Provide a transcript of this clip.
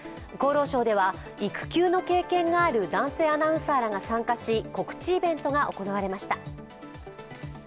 厚労省は育休の経験がある男性アナウンサーらが参加し告知イベントが行われました。